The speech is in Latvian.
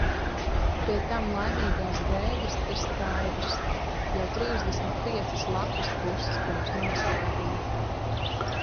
Pie tam laimīgās beigas ir skaidras jau trīsdesmit piecas lapas puses pirms noslēguma.